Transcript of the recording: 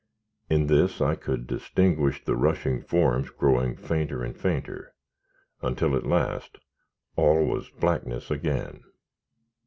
In this, I could distinguish the rushing forms growing fainter and fainter, until, at last, all was blackness again.